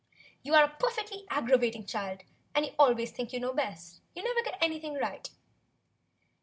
"You are a perfectly aggravating child, and you always think you know best, and you never get any thing right."